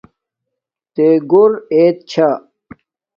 تے گھور ایت چھا